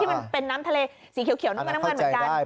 ที่มันเป็นน้ำทะเลสีเขียวน้ำเงินเหมือนกัน